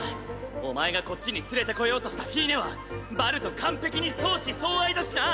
お前がこっちに連れてこようとしたフィーネはバルと完璧に相思相愛だしな！